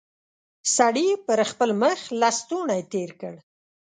سړي پر خپل مخ لستوڼی تېر کړ.